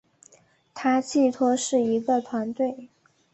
它寄托是一个团队